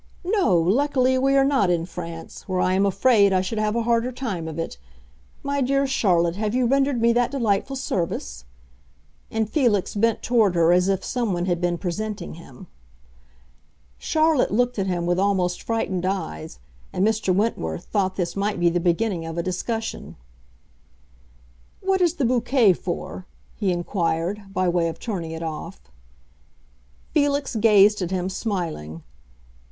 "No, luckily, we are not in France, where I am afraid I should have a harder time of it. My dear Charlotte, have you rendered me that delightful service?" And Felix bent toward her as if someone had been presenting him. Charlotte looked at him with almost frightened eyes; and Mr. Wentworth thought this might be the beginning of a discussion. "What is the bouquet for?" he inquired, by way of turning it off. Felix gazed at him, smiling.